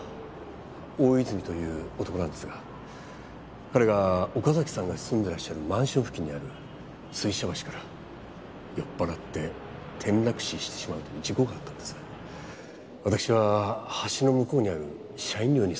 大泉という男なんですが彼が岡崎さんが住んでらっしゃるマンション付近にある水車橋から酔っ払って転落死してしまうという事故があったんですがわたくしは橋の向こうにある社員寮に住んでますので。